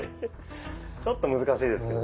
ちょっと難しいですけど。